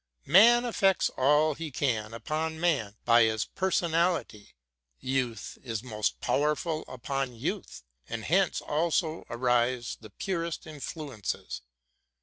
Man effects all he can upon man by his personality, youth is most powerful upon youth, and hence also arise the purest inilu ences.